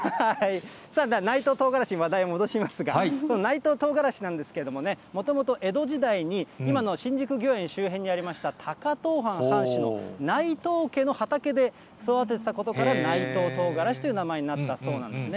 内藤とうがらしに話題を戻しますが、内藤とうがらしなんですけれども、もともと江戸時代に今の新宿御苑周辺にありました高遠藩藩主の内藤家の畑で育てたことから、内藤とうがらしという名前になったそうなんですね。